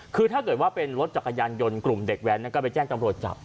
คือถ้าเกิดว่าเป็นรถจักรยานยนต์กลุ่มเด็กแว้นนั้นก็ไปแจ้งตำรวจจับ